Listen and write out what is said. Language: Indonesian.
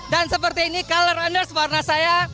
dan seperti ini color runners warna saya